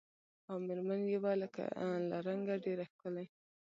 او مېر من یې وه له رنګه ډېره ښکلې